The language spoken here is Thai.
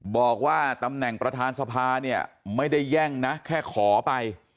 บอกว่าตำแหน่งประธานสภาเนี่ยไม่ได้แย่งนะแค่ขอไป